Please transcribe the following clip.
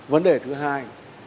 vấn đề thứ hai